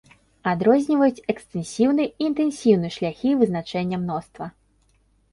Адрозніваюць экстэнсіўны і інтэнсіўны шляхі вызначэння мноства.